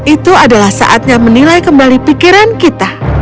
itu adalah saatnya menilai kembali pikiran kita